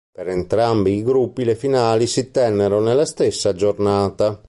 Per entrambi i gruppi le finali si tennero nella stessa giornata.